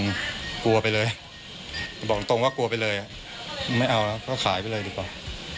ผมกลัวไปเลยบอกตรงว่ากลัวไปเลยอ่ะไม่เอาแล้วก็ขายไปเลยดีกว่า